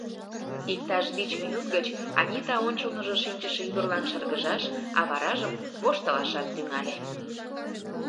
Иктаж вич минут гыч Анита ончылныжо шинчыше ӱдырлан шыргыжаш, а варажым воштылашат тӱҥале.